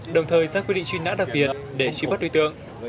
đồng thời ra quyết định truy nã đặc biệt để trí bắt đối tượng